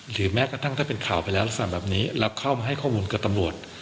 แม้กระทั่งถ้าเป็นข่าวไปแล้วลักษณะแบบนี้แล้วเข้ามาให้ข้อมูลกับตำรวจ